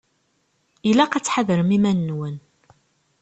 Ilaq ad tḥadrem iman-nwen.